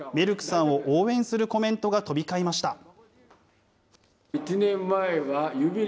メルクさんを応援するコメントが飛び交いました。